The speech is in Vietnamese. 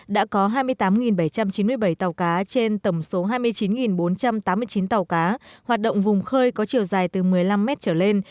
đã có hai mươi tám bảy trăm chín mươi bảy tàu cá trên tầm số hai mươi chín bốn trăm tám mươi chín tàu cá hoạt động vùng khơi có chiều dài từ một mươi năm mét trở lên